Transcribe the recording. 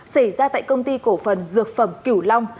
xảy ra tại công ty cổ phần dược phẩm cửu long